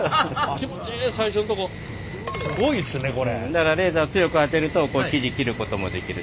だからレーザー強く当てると生地切ることもできる。